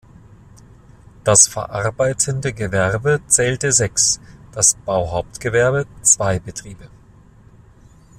Das verarbeitende Gewerbe zählte sechs, das Bauhauptgewerbe zwei Betriebe.